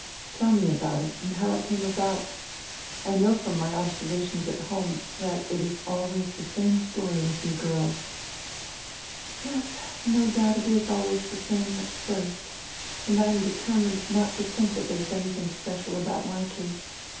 "Tell me about it, and how it came about. I know from my observa tions at home that it is always die same story with you girls." "Yes, no doubt it is always die same at first, and I am determined not to think that there was anything special about my case.